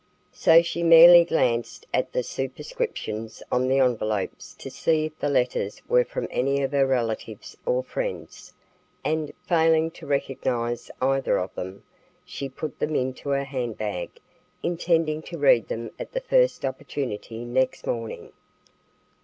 So she merely glanced at the superscriptions on the envelopes to see if the letters were from any of her relatives or friends, and, failing to recognize either of them, she put them into her handbag, intending to read them at the first opportunity next morning.